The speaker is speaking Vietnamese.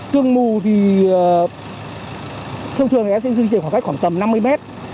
sương mù thì thông thường sẽ dưới khoảng cách khoảng tầm năm mươi